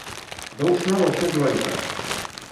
Да уж нарочно говорю так.